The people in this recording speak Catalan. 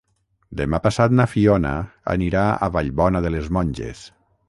Demà passat na Fiona anirà a Vallbona de les Monges.